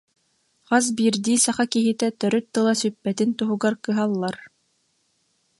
Хас биирдии саха киһитэ төрүт тыла сүппэтин туһугар кыһаллар